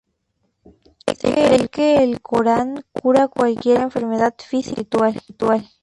Se cree que el Corán cura cualquier enfermedad física o espiritual.